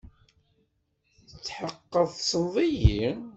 Tetḥeqqeḍ tessneḍ-iyi?